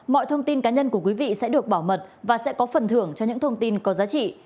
mọi thông tin cá nhân của quý vị sẽ được bảo mật và sẽ có phần thưởng cho những thông tin có giá trị